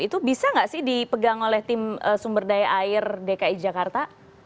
itu bisa nggak sih dipegang oleh tim sumber daya air dki jakarta